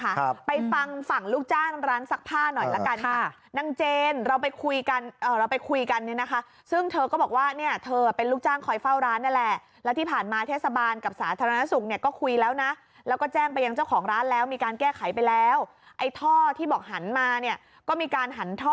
ครับไปฟังฝั่งลูกจ้างร้านซักผ้าหน่อยละกันค่ะนางเจนเราไปคุยกันเอ่อเราไปคุยกันเนี่ยนะคะซึ่งเธอก็บอกว่าเนี่ยเธอเป็นลูกจ้างคอยเฝ้าร้านนั่นแหละแล้วที่ผ่านมาเทศบาลกับสาธารณสุขเนี่ยก็คุยแล้วนะแล้วก็แจ้งไปยังเจ้าของร้านแล้วมีการแก้ไขไปแล้วไอ้ท่อที่บอกหันมาเนี่ยก็มีการหันท่อ